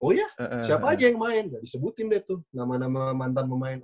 oh ya siapa aja yang main gak disebutin deh tuh nama nama mantan pemain